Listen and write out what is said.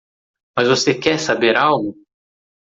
Mas você quer saber algo?